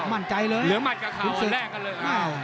มั่นใจเลยหลื้อหมัดกับเข่าแลกกันเลย